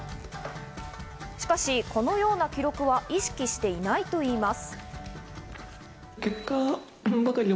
しかし、このような記録は意識していないといいます。